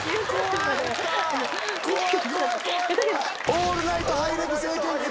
オールナイトハイレグ